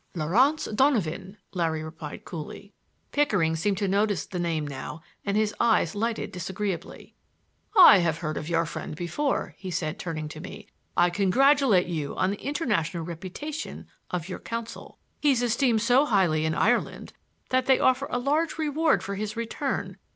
"Laurance Donovan," Larry replied coolly. Pickering seemed to notice the name now and his eyes lighted disagreeably. "I think I have heard of your friend before," he said, turning to me. "I congratulate you on the international reputation of your counsel. He's esteemed so highly in Ireland that they offer a large reward for his return.